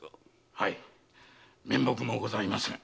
はい面目もございません。